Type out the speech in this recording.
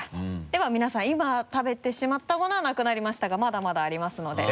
では皆さん今食べてしまったものはなくなりましたがまだまだありますので。